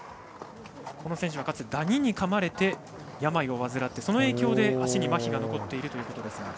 この選手はかつてダニにかまれて病を患って、その影響で足にまひが残っているということです。